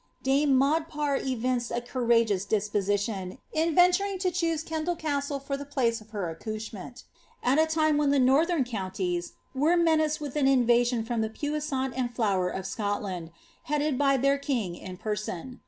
Dame Maud Parr evinced a courageous disposition, in venturing to choose Kendal Castle for the place of her accouchement^ at a time when the northern counties were menaced with an invasion from the puissance tnd flower of Scotland, headed by their king in person.